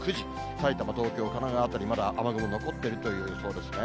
埼玉、東京、神奈川辺り、まだ雨雲残っているという予想ですね。